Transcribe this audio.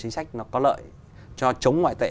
chính sách nó có lợi cho chống ngoại tệ